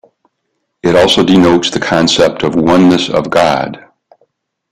It also denotes the concept of oneness of God.